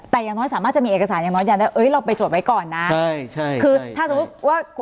แต่อย่างน้อยสามารถจะมีเอกสารอย่างน้อยแต่เราไปจวดไว้ก่อนนะคือถ้าสมมุติว่า